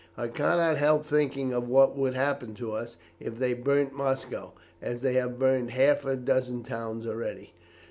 I cannot help thinking of what would happen to us if they burnt Moscow, as they have burned half a dozen towns already."